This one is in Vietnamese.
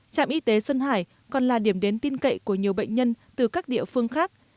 trạm y tế sơn hải còn là điểm đến tin cậy của nhiều bệnh nhân từ các địa phương khác